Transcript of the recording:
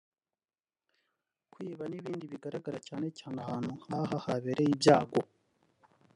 kwiba n’ibindi bigaragara cyane cyane ahantu nk’aha habereye ibyago